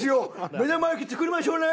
目玉焼き作りましょうね！